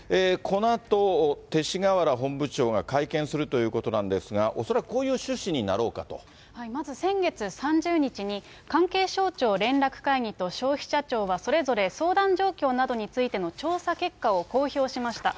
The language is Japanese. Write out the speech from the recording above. このあと、勅使河原本部長が会見するということなんですが、まず、先月３０日に、関係省庁連絡会議と消費者庁がそれぞれ相談状況などについての調査結果を公表しました。